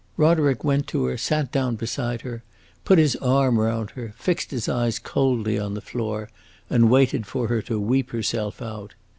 Roderick went to her, sat down beside her, put his arm round her, fixed his eyes coldly on the floor, and waited for her to weep herself out.